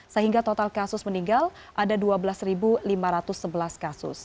sehingga total kasus meninggal ada dua belas lima ratus sebelas kasus